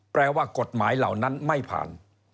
แปลว่ากฎหมายเหล่านั้นไม่ผ่าน